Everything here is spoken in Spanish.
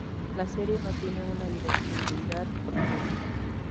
La serie no tiene una direccionalidad profunda.